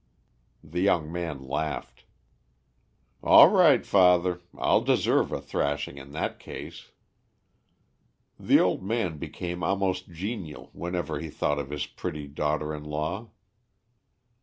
The young man laughed. "All right, father. I'll deserve a thrashing in that case." The old man became almost genial whenever he thought of his pretty daughter in law.